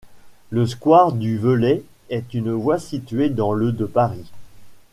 Le square du Velay est une voie située dans le de Paris.